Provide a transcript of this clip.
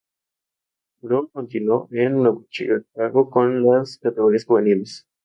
El Sport Clube Sal Rei es el equipo defensor del título.